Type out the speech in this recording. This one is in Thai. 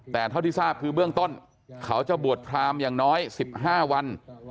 แต่เท่าที่ทราบคือเบื้องต้นเขาจะบวชพรามอย่างน้อย๑๕วัน